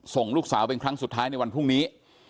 ส่งลูกสาวเป็นครั้งสุดท้ายในวันพรุ่งนี้